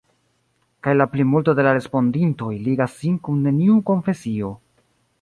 Kaj la plimulto de la respondintoj ligas sin kun neniu konfesio.